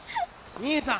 ・兄さん！